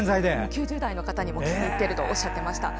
９０代の方にも聞いているとおっしゃっていました。